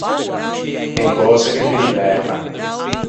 En cöse che no me divertan.